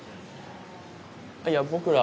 いや僕ら。